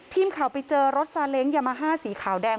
ทีมข่าวไปเจอรถซาเล้งยามาฮ่าสีขาวแดง